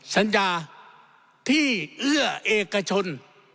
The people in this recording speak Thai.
สัญญาที่เอื้อเอกชน